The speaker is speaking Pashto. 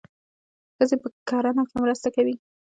ښځې په کرنه کې مرسته کوي.